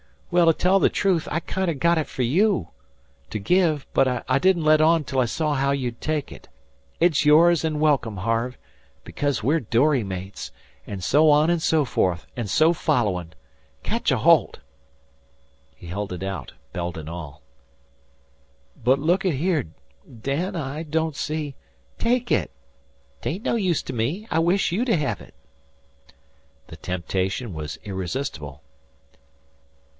"Well, to tell the truth, I kinder got it for you to give; but I didn't let on till I saw how you'd take it. It's yours and welcome, Harve, because we're dory mates, and so on and so forth, an' so followin'. Catch a holt!" He held it out, belt and all. "But look at here. Dan, I don't see " "Take it. 'Tain't no use to me. I wish you to hev it." The temptation was irresistible.